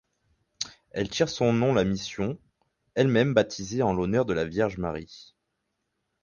Elle tire son nom la mission, elle-même baptisée en l'honneur de la vierge Marie.